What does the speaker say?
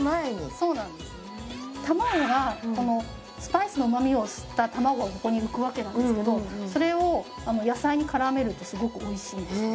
そうなんです卵がスパイスの旨みを吸った卵がここに浮くわけなんですけどそれを野菜にからめるとすごくおいしいんですよね